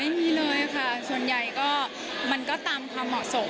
ไม่มีเลยค่ะส่วนใหญ่ก็มันก็ตามความเหมาะสม